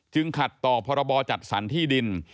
ขัดต่อพรบจัดสรรที่ดิน